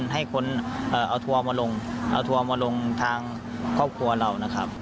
ให้คนเอาทัวร์มาลงทางครอบครัวเรานะครับ